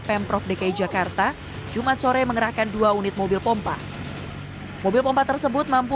pemprov dki jakarta jumat sore mengerahkan dua unit mobil pompa mobil pompa tersebut mampu